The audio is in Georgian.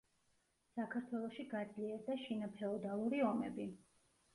საქართველოში გაძლიერდა შინაფეოდალური ომები.